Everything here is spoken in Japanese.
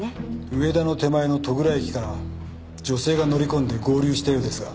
上田の手前の戸倉駅から女性が乗り込んで合流したようですが。